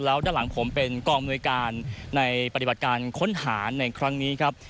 แล้วด้านหลังผมเป็นกองอำนวยการในปฏิบัติการค้นหาในครั้งนี้ครับ